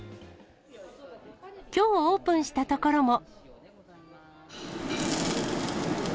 きょうオープンしたところも。